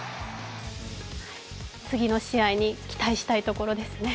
次の試合に期待したいところですね。